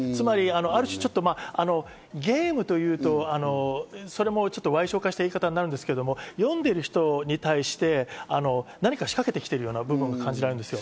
ある種、ゲームというとそれも矮小化した言い方になりますが、読んでいる人に対して何か仕掛けてきているような部分が感じられます。